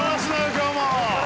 今日も！